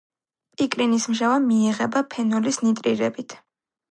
პიკრინის მჟავა მიიღება ფენოლის ნიტრირებით.